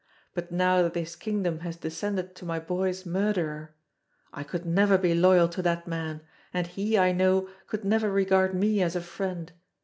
But now that his kingdom has descended to my boy's murderer I could never be loyal to that man, and he, I know, could never regard me as a friend.